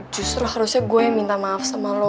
justru harusnya gue minta maaf sama lo